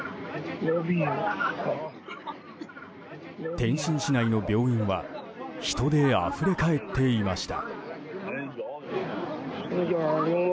天津市内の病院は人であふれ返っていました。